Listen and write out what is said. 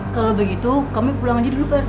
kalau begitu kami pulang aja dulu pak